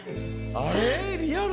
あれ？